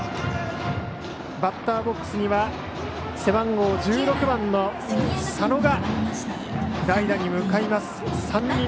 バッターボックスには背番号１６番の佐野が代打に向かいます。